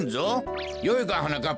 よいか？